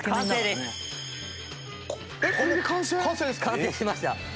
完成しました。